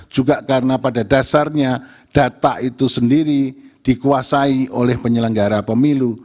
juga karena pada dasarnya data itu sendiri dikuasai oleh penyelenggara pemilu